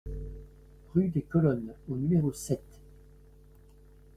Rue des Colonnes au numéro sept